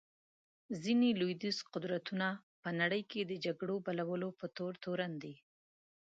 ځینې لوېدیځ قدرتونه په نړۍ کې د جګړو بلولو په تور تورن دي.